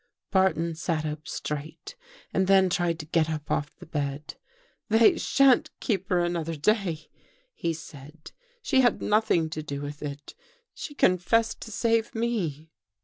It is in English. Barton sat up straight and then tried to get up 257 THE GHOST GIRL off the bed. " They sha'n't keep her another day," he said. " She had nothing to do with it. She confessed to save me."